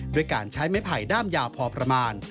ด้วยการใช้ไม้ไผ่ด้ามยาวพอประมาณ